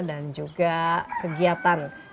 dan juga kegiatan